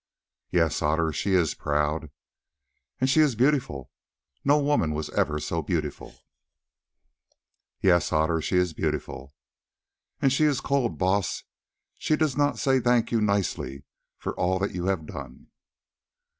"Yes, Otter, she is proud." "And she is beautiful; no woman was ever so beautiful." "Yes, Otter, she is beautiful." "And she is cold, Baas; she does not say 'thank you' nicely for all that you have done."